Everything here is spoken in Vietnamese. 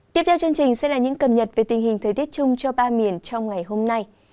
tiếp theo chương trình sẽ là những cập nhật về tình hình thời tiết chung cho ba miền trong ngày hôm nay